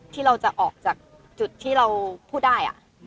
ที่เราจะออกจากจุดที่เราพูดได้